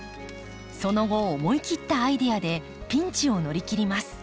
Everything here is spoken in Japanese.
その後思い切ったアイデアでピンチを乗り切ります。